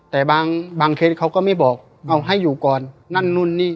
แต่บางเคสเขาก็ไม่บอกเอาให้อยู่ก่อนนั่นนู่นนี่